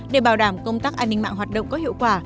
để bảo đảm công tác an ninh mạng hoạt động có hiệu quả